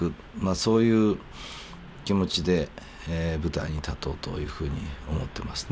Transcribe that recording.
そういう気持ちで舞台に立とうというふうに思ってますね。